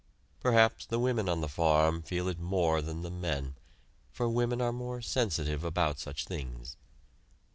Perhaps the women on the farm feel it more than the men, for women are more sensitive about such things.